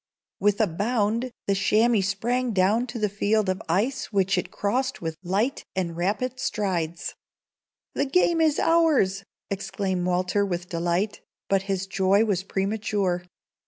With a bound the chamois sprang down to the field of ice, which it crossed with light and rapid strides. "The game is ours!" exclaimed Walter, with delight. But his joy was premature.